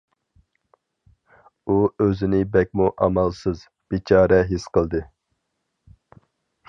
ئۇ ئۆزىنى بەكمۇ ئامالسىز، بىچارە ھېس قىلدى.